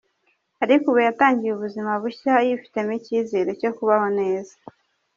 Ariko ubu yatangiye ubuzima bushya, yifitemo icyizere cyo kubaho neza.